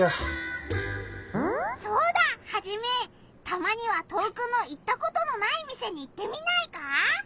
たまには遠くの行ったことのない店に行ってみないか？